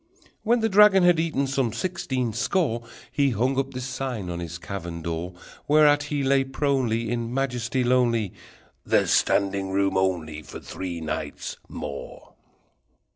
When the dragon had eaten some sixteen score He hung up this sign on his cavern door, Whereat he lay pronely In majesty lonely: ++ |_There's Standing Room Only || For Three Knights More!